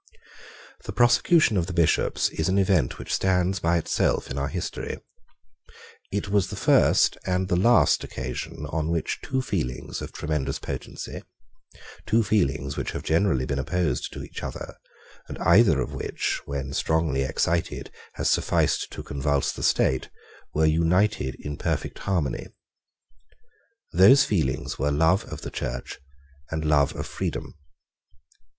The prosecution of the Bishops is an event which stands by itself in our history. It was the first and the last occasion on which two feelings of tremendous potency, two feelings which have generally been opposed to each other, and either of which, when strongly excited, has sufficed to convulse the state, were united in perfect harmony. Those feelings were love of the Church and love of freedom.